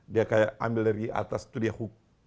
dia kayak ambil dari atas itu dia hope